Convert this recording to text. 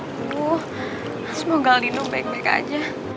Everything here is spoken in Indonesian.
aduh semoga linung baik baik aja